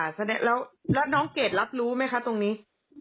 อืม๔๐๐๐กว่าบาทแล้วน้องเกรดรับรู้ไหมคะตรงนี้